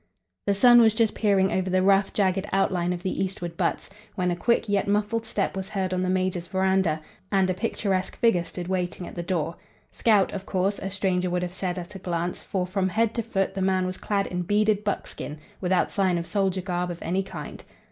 The sun was just peering over the rough, jagged outline of the eastward buttes, when a quick yet muffled step was heard on the major's veranda and a picturesque figure stood waiting at the door. Scout, of course, a stranger would have said at a glance, for from head to foot the man was clad in beaded buckskin, without sign of soldier garb of any kind.